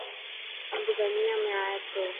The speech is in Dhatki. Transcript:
امب گر، يان ۾ ائي ٿو.